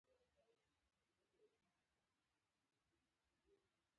دوی د بریښنا په لینونو باندې ګزمې کوي